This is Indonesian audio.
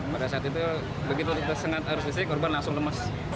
pada saat itu begitu tersengat arus listrik korban langsung lemas